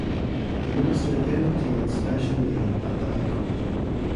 The Minister then obtained special leave at the High Court.